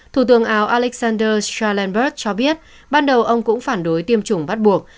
thủ tường áo alexander schellenberg cho biết ban đầu ông cũng phản đối tiêm chủng bắt buộc